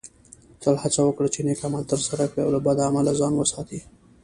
تل هڅه وکړه چې نیک عمل ترسره کړې او له بد عمله ځان وساتې